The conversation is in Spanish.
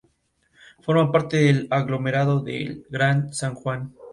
Estudia además reptiles, anfibios y moluscos.